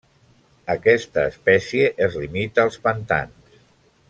Aquesta espècie es limita als pantans.